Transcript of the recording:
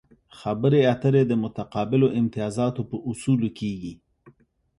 خبرې اترې د متقابلو امتیازاتو په اصولو کیږي